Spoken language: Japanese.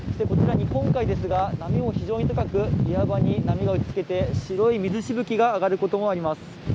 こちら、日本海ですが、波も非常に高く、岩場に波が打ちつけて、白い水しぶきが上がることもあります。